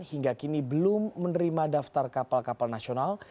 hingga kini belum menerima daftar kapal kapal nasional